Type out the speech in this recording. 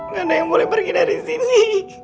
ga ada yang boleh pergi dari sini